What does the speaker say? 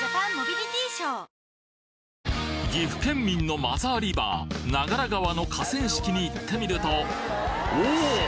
岐阜県民のマザーリバー長良川の河川敷に行ってみるとおぉ！